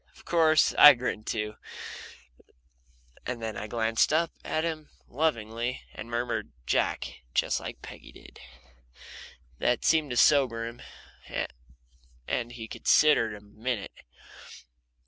Of course I grinned too, and then I glanced up at him lovingly and murmured "Jack," just like Peggy did. That seemed to sober him, and he considered a minute.